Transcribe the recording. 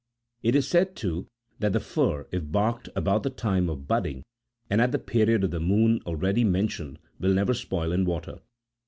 It is said, too, that the fir, if barked about the time of bud ding, and at the period of the moon already mentioned,41 will never spoil in water.